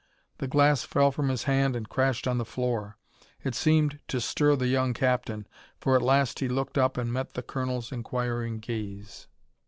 The glass fell from his hand and crashed on the floor. It seemed to stir the young captain, for at last he looked up and met the colonel's inquiring gaze.